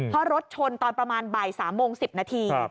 เพราะรถชนตอนประมาณบ่าย๓โมง๑๐นาที